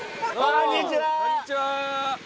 こんにちは！